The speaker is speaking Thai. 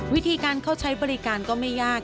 วิธีการเข้าใช้บริการก็ไม่ยาก